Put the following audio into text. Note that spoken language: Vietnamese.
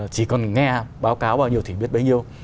chỉ còn nghe báo cáo bao nhiêu thì biết bao nhiêu